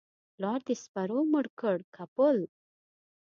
پلار دي سپرو مړ کى که پل؟